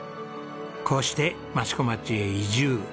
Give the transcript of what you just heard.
こうして益子町へ移住。